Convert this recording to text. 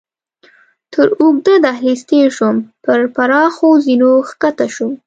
تر اوږده دهلېز تېر شوم، پر پراخو زینو کښته شوم.